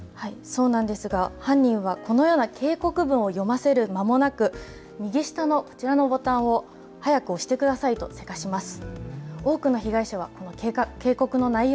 犯人はこのような警告文を読ませるまもなく右下のボタンを早く押してくださいとせかします。